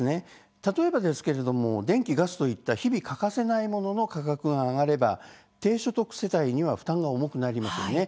例えば電気やガスといった日々欠かせないものの価格が上がれば低所得世帯には負担が重くなります。